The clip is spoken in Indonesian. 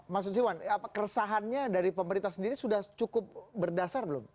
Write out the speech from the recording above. mas susiwan keresahannya dari pemerintah sendiri sudah cukup berdasar belum